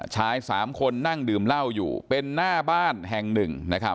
ชาย๓คนนั่งดื่มเหล้าอยู่เป็นหน้าบ้านแห่งหนึ่งนะครับ